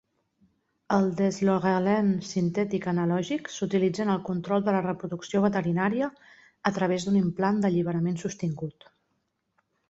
El Deslorelin sintètic analògic s'utilitza en el control de la reproducció veterinària a través d'un implant d'alliberament sostingut.